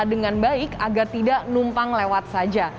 dengan baik agar tidak numpang lewat saja